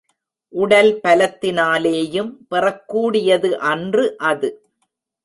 உடல் பலத்தினாலேயும் பெறக் கூடியது அன்று அது.